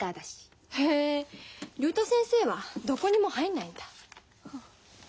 へえ竜太先生はどこにも入んないんだ。